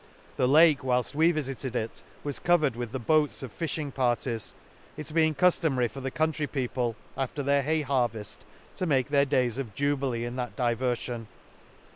— The Lake whilfl we v ilited it was covered with the boats of fiihing parties ; it being cuftomary for the country people, after their hay har~ veft, to make their days of jubilee in that diversion.